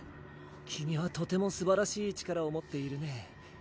君はとてもすばらしい力を持っているね。